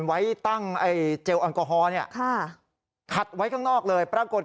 ไว้ตั้งเจลแอลกอฮอลเนี่ยค่ะขัดไว้ข้างนอกเลยปรากฏ